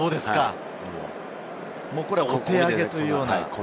お手上げというような。